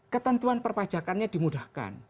ketentuan perpajakannya dimudahkan